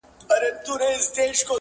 که وچ لرګی ومه وچ پوست او څو نري تارونه,